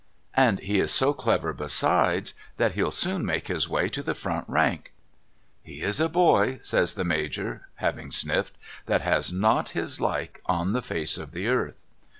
And he is so clever besides that he'll soon make his way to the front rank.' ' He is a boy' says the Major having sniffed —' that has not his like on the face of the earth.'